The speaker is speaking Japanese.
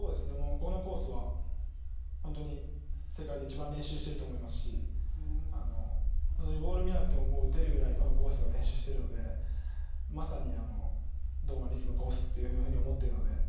このコースは世界で一番練習していると思いますしボールを見なくても打てるぐらいこのコースは練習してるのでまさに堂安律のコースと思っているので。